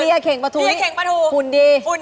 เหลียเข่งประถูหุ่นดี